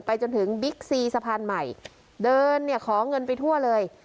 จนถึงบิ๊กซีสะพานใหม่เดินเนี่ยขอเงินไปทั่วเลย